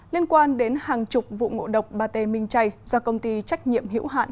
liên quan đến hàng chục vụ ngộ độc bà tê minh tray do công ty trách nhiệm hiểu hạn